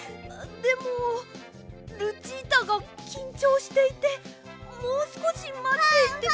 でもルチータがきんちょうしていてもうすこしまって。